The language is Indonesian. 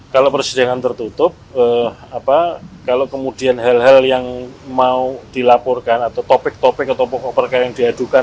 kalau persidangan tertutup kalau kemudian hal hal yang mau dilaporkan atau topik topik atau pokok perkara yang diadukan